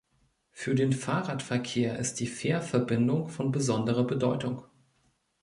Für den Fahrradverkehr ist die Fährverbindung von besonderer Bedeutung.